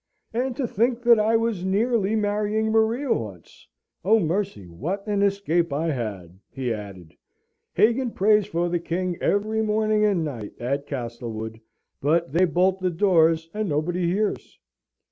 "And to think that I was nearly marrying Maria once! Oh, mercy, what an escape I had!" he added. "Hagan prays for the King, every morning and night, at Castlewood, but they bolt the doors, and nobody hears.